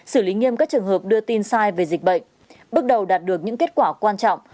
xử lý nghiêm các trường hợp đưa tin sai về dịch bệnh bước đầu đạt được những kết quả quan trọng